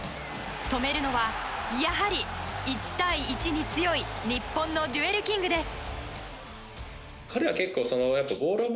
止めるのは、やはり１対１に強い日本のデュエルキングです。